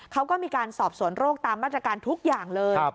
เขาก็มีการสอบสวนโรคตามมาตรการทุกอย่างเลย